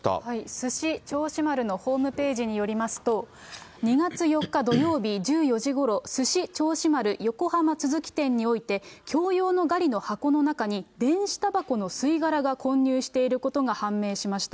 すし銚子丸のホームページによりますと、２月４日土曜日１４時ごろ、すし銚子丸横浜都筑店において共用のガリの箱の中に、電子たばこの吸い殻が混入していることが判明しました。